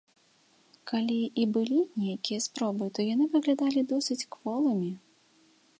Калі і былі нейкія спробы, то яны выглядалі досыць кволымі.